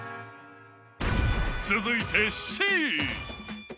続いてＣ。